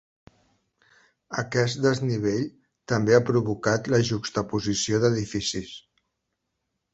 Aquest desnivell també ha provocat la juxtaposició d'edificis.